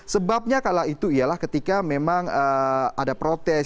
sebabnya kala itu ialah ketika memang ada protes